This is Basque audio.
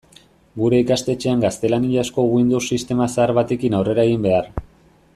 Gure ikastetxean gaztelaniazko Windows sistema zahar batekin aurrera egin behar.